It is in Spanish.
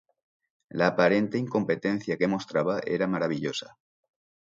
La aparente incompetencia que mostraba era maravillosa.